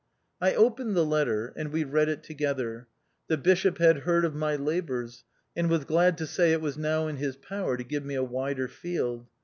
I opened the letter, and we read it together. The Bishop had heard of my labours, and was glad to say, it was now in his power to give me a wider field.